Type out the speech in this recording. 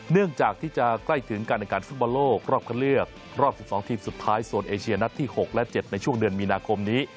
เนื่องจากที่จะใกล้ถึงการแข่งขันฟุตบอลโลกรอบคันเลือกรอบ๑๒ทีมสุดท้ายโซนเอเชียนัดที่๖และ๗ในช่วงเดือนมีนาคมนี้